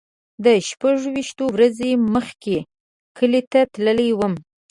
زه شپږ ویشت ورځې مخکې کلی ته تللی وم.